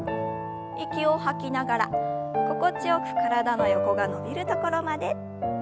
息を吐きながら心地よく体の横が伸びるところまで。